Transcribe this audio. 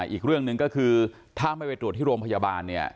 อีกเรื่องหนึ่งก็คือถ้าไม่ไปตรวจที่โรงพยาบาลเนี่ย